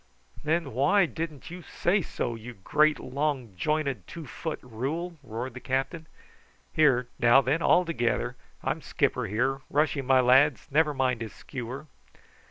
"Then why didn't you say so, you great, long jointed two foot rule?" roared the captain. "Here, now then, all together. I'm skipper here. Rush him, my lads; never mind his skewer."